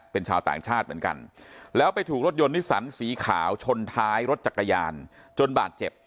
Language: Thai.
เป็นชาวต่างชาติเหมือนกันแล้วไปถูกรถยนต์นิสันสีขาวชนท้ายรถจักรยานจนบาดเจ็บ